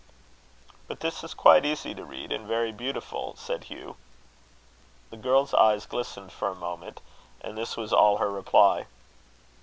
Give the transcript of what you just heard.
"But this is quite easy to read, and very beautiful," said Hugh. The girl's eyes glistened for a moment, and this was all her reply.